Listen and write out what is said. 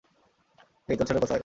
এই, তোর ছেলে কোথায়?